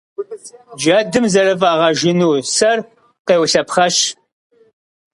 Джэдым зэрыфӀагъэжыну сэр къеулъэпхъэщ.